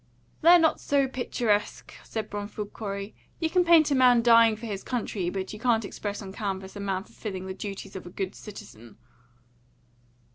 "They're not so picturesque," said Bromfield Corey. "You can paint a man dying for his country, but you can't express on canvas a man fulfilling the duties of a good citizen."